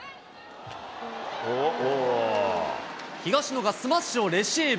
東野がスマッシュをレシーブ。